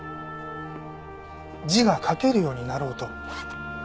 字が書けるようになろうと。